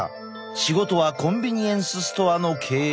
仕事はコンビニエンスストアの経営。